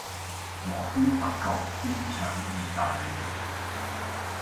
蘑菇德國煙腸義大利麵